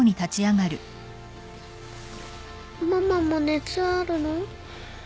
ママも熱あるの？